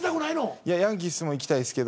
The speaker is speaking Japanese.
いやヤンキースも行きたいですけど。